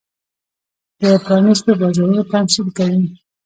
د پرانېستو بازارونو تمثیل کوي.